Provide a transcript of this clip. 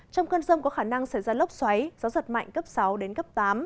trong cơn rông có khả năng xảy ra lốc xoáy gió giật mạnh cấp sáu đến cấp tám